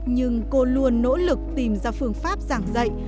nhưng cô luôn nỗ lực tìm ra phương pháp giảng dạy